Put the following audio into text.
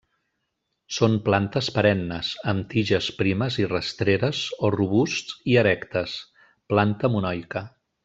Són plantes perennes; amb tiges primes i rastreres o robusts i erectes; planta monoica.